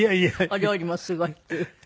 お料理もすごいっていう。